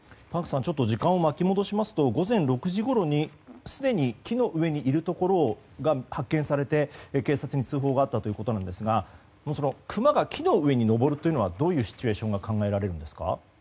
時間を巻き戻すと午前６時ごろにすでに木の上にいるところが発見されて警察に通報があったということなんですがクマが木の上に上るというのはどういうシチュエーションが考えられるんですか？